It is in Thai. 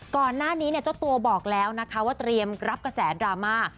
ก่อนหน้านี้เจ้าตัวบอกแล้วนะคะว่าเตรียมรับกระแสดราม่า